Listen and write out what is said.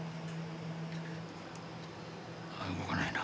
ああ動かないな。